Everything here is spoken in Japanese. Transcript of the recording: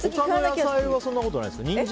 他の野菜はそんなことないですか？